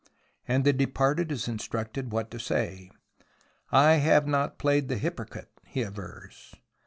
And the departed is instructed what to say. " I have not played the hypocrite," he avers.